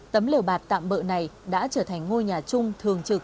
tấm liều bạc tạm bợ này đã trở thành ngôi nhà chung thường trọng